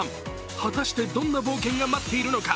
果たしてどんな冒険が待っているのか。